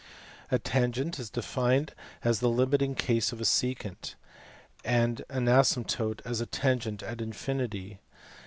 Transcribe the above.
b A tangent is defined as the limiting case of a secant, and an asymptote as a tangent at infinity.